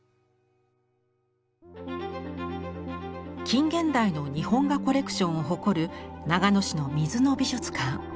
近現代の日本画コレクションを誇る長野市の水野美術館。